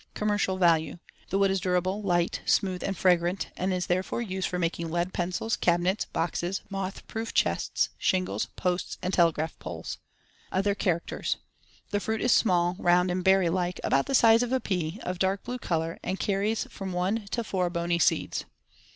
Commercial value: The wood is durable, light, smooth and fragrant, and is therefore used for making lead pencils, cabinets, boxes, moth proof chests, shingles, posts, and telegraph poles. Other characters: The fruit is small, round and berry like, about the size of a pea, of dark blue color, and carries from one to four bony seeds.